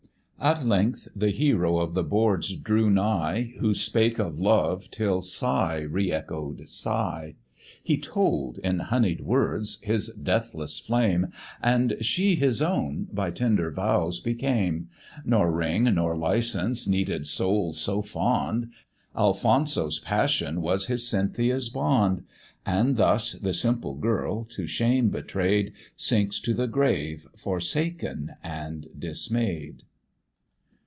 At length the hero of the boards drew nigh, Who spake of love till sigh re echo'd sigh; He told in honey'd words his deathless flame, And she his own by tender vows became; Nor ring nor licence needed souls so fond, Alfonso's passion was his Cynthia's bond: And thus the simple girl, to shame betray'd, Sinks to the grave forsaken and dismay'd.